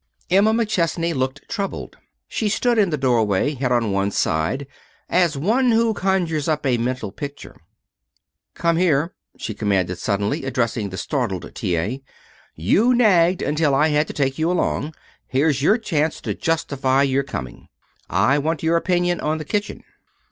Emma McChesney looked troubled. She stood in the doorway, head on one side, as one who conjures up a mental picture. "Come here," she commanded suddenly, addressing the startled T. A. "You nagged until I had to take you along. Here's a chance to justify your coming. I want your opinion on the kitchen."